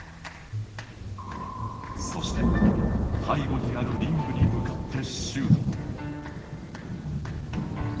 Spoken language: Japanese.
そして背後にあるリングに向かってシュート。